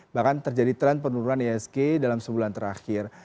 bahkan terjadi tren penurunan isg dalam sebulan terakhir